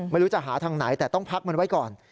ไม่รู้จะหาทางไหนแต่ต้องพักมันไว้ก่อน